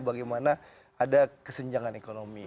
bagaimana ada kesenjangan ekonomi